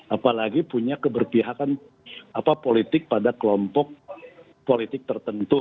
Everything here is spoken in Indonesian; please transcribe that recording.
apalagi punya keberpihakan politik pada kelompok politik tertentu